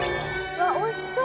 わっおいしそう！